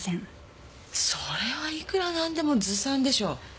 それはいくらなんでもずさんでしょ。